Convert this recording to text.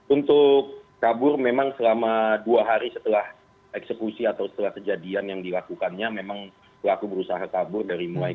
untuk kabur memang selama dua hari setelah eksekusi atau setelah kejadian yang dilakukannya memang pelaku berusaha kabur dari mulai